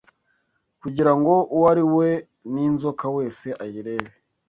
kugira ngo uwariwe n’inzoka wese ayirebe